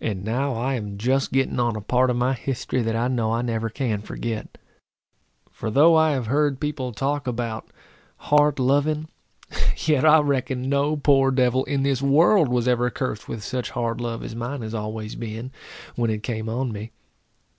And now I am just getting on a part of my history that I know I never can forget. For though I have heard people talk about hard loving, yet I reckon no poor devil in this world was ever cursed with such hard love as mine has always been, when it came on me.